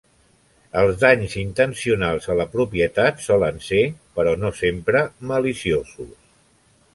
Els danys intencionals a la propietat solen ser, però no sempre, maliciosos.